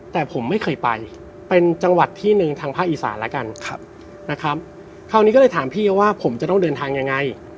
แต่ผมไม่เคยไปเป็นจังหวัดที่หนึ่งทางภาคอีสานแล้วกันนะครับคราวนี้ก็เลยถามพี่เขาว่าผมจะต้องเดินทางยังไง